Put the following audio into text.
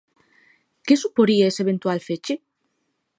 Que suporía ese eventual feche?